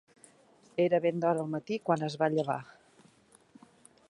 Era ben d'hora al matí quan es va llevar.